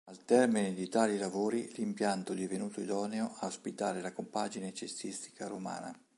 Al termine di tali lavori l'impianto divenuto idoneo a ospitare la compagine cestistica romana.